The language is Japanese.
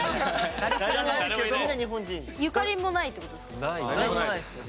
ゆかりもないってことですか？